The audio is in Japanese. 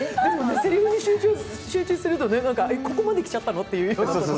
せりふに集中してると、ここまで来ちゃったのってことも。